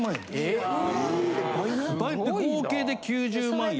・え・合計で９０万円。